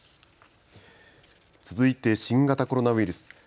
続いて新型コロナウイルス。